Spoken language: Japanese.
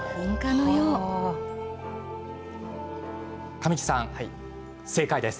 神木さん、正解です。